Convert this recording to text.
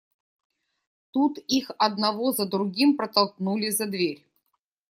Тут их одного за другим протолкнули за дверь.